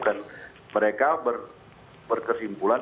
dan mereka berkesimpulan